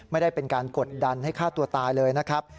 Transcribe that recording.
ไม่ได้เป็นการกดดันให้ฆ่าตัวตายเลยนะครับ